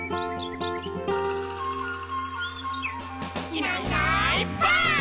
「いないいないばあっ！」